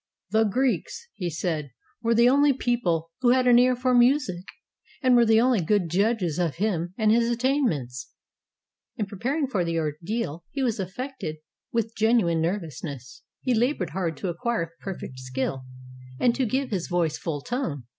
"The Greeks," said he, "were the only people who had an ear for music, and were the only good judges of him and his attainments." In preparing for the ordeal he was affected with gen uine nervousness. He labored hard to acquire perfect skill and to give to his voice full tone.